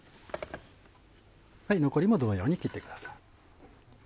残りも同様に切ってください。